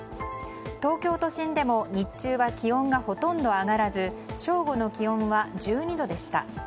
東京都心でも日中は気温がほとんど上がらず正午の気温は１２度でした。